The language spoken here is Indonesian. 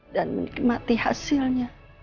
dan menikmati hasilnya